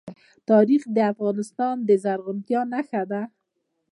تاریخ د افغانستان د زرغونتیا نښه ده.